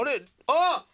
あっ！